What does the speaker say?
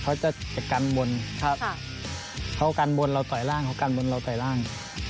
เขาจะกันบนครับเขากันบนเราต่อยร่างเขากันบนเราต่อยร่าง